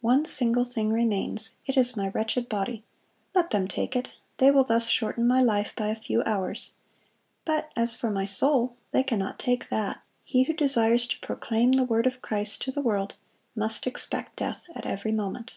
One single thing remains; it is my wretched body: let them take it; they will thus shorten my life by a few hours. But as for my soul, they cannot take that. He who desires to proclaim the word of Christ to the world, must expect death at every moment."